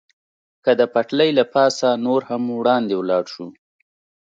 که د پټلۍ له پاسه نور هم وړاندې ولاړ شو.